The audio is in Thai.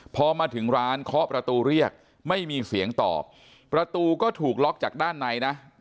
พอมาถึงร้านเคาะประตูเรียกไม่มีเสียงตอบประตูก็ถูกล็อกจากด้านในนะ